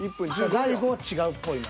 大悟は違うっぽいな。